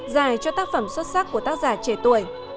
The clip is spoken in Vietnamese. giải cho tác phẩm xuất sắc của tác giả trẻ tuổi